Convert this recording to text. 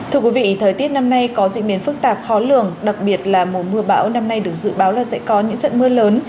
thưa quý vị thời tiết năm nay có diễn biến phức tạp khó lường đặc biệt là mùa mưa bão năm nay được dự báo là sẽ có những trận mưa lớn